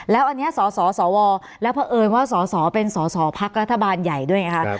แล้วอันนี้สสวแล้วเพราะเอิญว่าสสเป็นสอสอพักรัฐบาลใหญ่ด้วยไงคะ